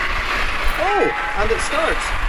Oh! And it starts!